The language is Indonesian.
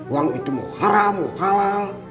uang itu mau haram mau kalah